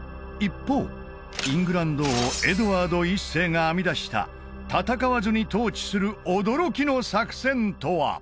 一方イングランド王エドワード１世が編み出した戦わずに統治する驚きの作戦とは？